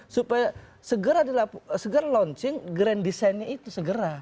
supaya segera launching grand design nya itu segera